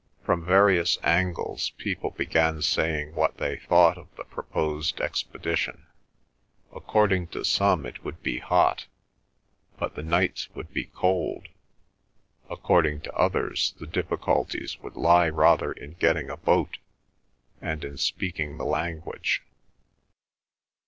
From various angles people began saying what they thought of the proposed expedition. According to some it would be hot, but the nights would be cold; according to others, the difficulties would lie rather in getting a boat, and in speaking the language.